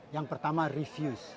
yang pertama refuse